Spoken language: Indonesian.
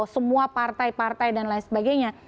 semua partai partai dan lain sebagainya